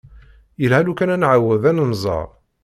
Yelha lukan ad nεawed ad nemẓer.